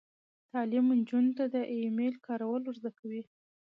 تعلیم نجونو ته د ای میل کارول ور زده کوي.